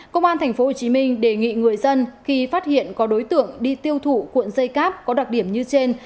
công an tp hcm đề nghị người dân khi phát hiện có đối tượng đi tiêu thụ cuộn dây cáp có đặc điểm như trên